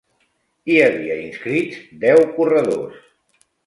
Hi havia inscrits deu corredors.